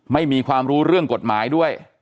ไม่มีความรู้เรื่องกฎหมายด้วย